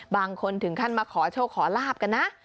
บางคนถึงขั้นมาขอโชคขอลาบกันนะ